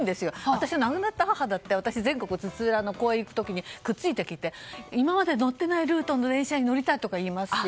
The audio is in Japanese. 私、亡くなった母だって全国津々浦々の講演行く時にくっついてきて今まで乗ったことのないルートの電車に乗りたいとか言いますし。